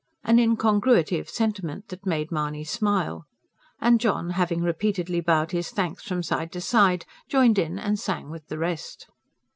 an incongruity of sentiment that made Mahony smile. And John, having repeatedly bowed his thanks from side to side, joined in and sang with the rest.